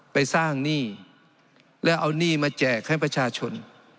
ไปสร้างหนี้แล้วเอาหนี้มาแจกให้ประชาชน